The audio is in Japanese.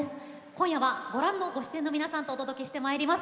今夜はご覧の出演者の皆さんとお届けしてまいります。